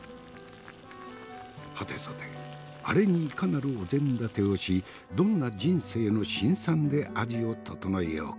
はてさてアレにいかなるお膳立てをしどんな人生の辛酸で味を調えようか。